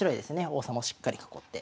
王様をしっかり囲って。